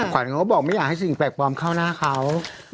ขวัญเขาก็บอกไม่อยากให้สิ่งแปลกปลอมเข้าหน้าเขา